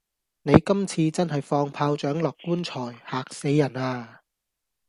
你今次真係放炮仗落棺材——嚇死人呀！